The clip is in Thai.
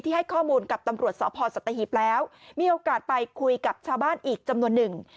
ให้ข้อมูลกับตำรวจสพสัตหิบแล้วมีโอกาสไปคุยกับชาวบ้านอีกจำนวนหนึ่ง